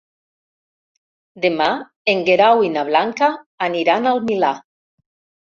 Demà en Guerau i na Blanca aniran al Milà.